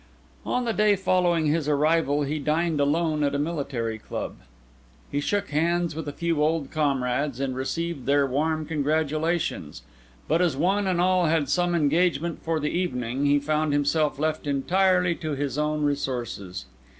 On the day following his arrival he dined alone at a military club. He shook hands with a few old comrades, and received their warm congratulations; but as one and all had some engagement for the evening, he found himself left entirely to his own resources.